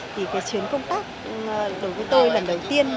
thì cái chuyến công tác đối với tôi lần đầu tiên